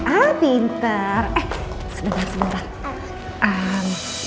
ah pinter eh sebentar sebentar